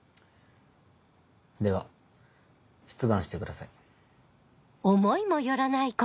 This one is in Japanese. では出願してください。